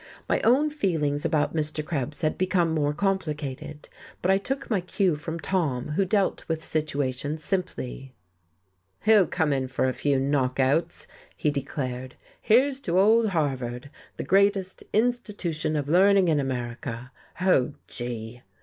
My own feeling about Mr. Krebs had become more complicated; but I took my cue from Tom, who dealt with situations simply. "He'll come in for a few knockouts," he declared. "Here's to old Harvard, the greatest institution of learning in America! Oh, gee!"